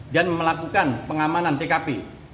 dan melakukan pengamanan tkp